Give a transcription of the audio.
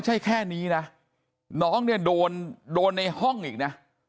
เห็นไหม